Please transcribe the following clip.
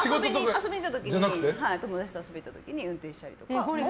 友達と遊びに行った時に運転したりとか。